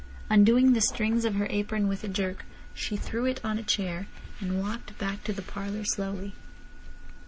Undoing the strings of her apron with a jerk, she threw it on a chair, and walked back to the parlour slowly.